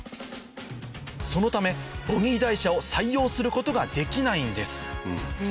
そのためボギー台車を採用することができないんです